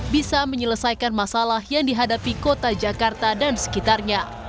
bisa menyelesaikan masalah yang dihadapi kota jakarta dan sekitarnya